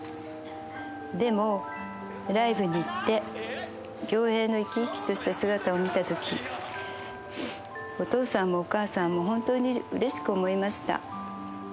でも、ライブに行って、恭兵の生き生きとした姿を見たとき、お父さんもお母さんも本当にうれしく思いました。